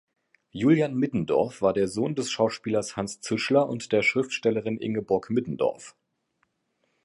Julian Middendorf war der Sohn des Schauspielers Hanns Zischler und der Schriftstellerin Ingeborg Middendorf.